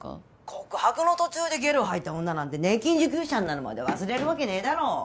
告白の途中でゲロ吐いた女なんて年金受給者になるまで忘れるわけねえだろ